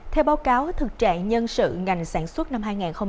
theo báo cáo thực trạng nhân sự ngành sản xuất năm hai nghìn hai mươi